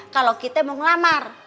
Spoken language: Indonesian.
kalau kita mau ngelamar